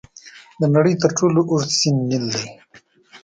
د نړۍ تر ټولو اوږد سیند نیل دی.